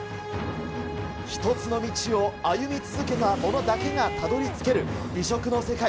一つの道を歩み続けた者だけがたどりつける美食の世界。